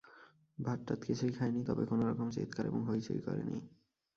ভাত-টাত কিছুই খায় নি, তবে কোনো রকম চিৎকার এবং হৈচৈ করে নি।